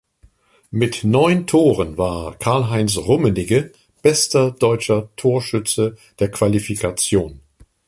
Mit neun Toren war Karl-Heinz Rummenigge bester deutscher Torschütze der Qualifikation.